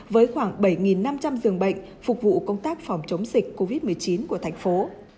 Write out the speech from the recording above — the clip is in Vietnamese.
với khoảng bảy năm trăm linh giường bệnh phục vụ công tác phòng chống dịch covid một mươi chín của thành phố